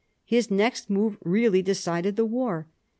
His next move really decided the war.